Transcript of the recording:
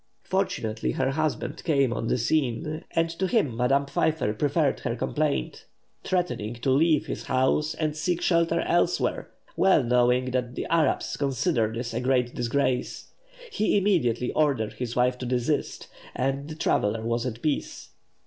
Fortunately her husband came on the scene, and to him Madame Pfeiffer preferred her complaint, threatening to leave his house and seek shelter elsewhere, well knowing that the Arabs consider this a great disgrace. He immediately ordered his wife to desist, and the traveller was at peace.